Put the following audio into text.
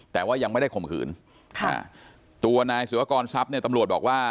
แต่ว่ายังไม่ได้ข่มขืนค่ะตัวนายสุวกรทรัพย์เนี่ยตำรวจบอกว่า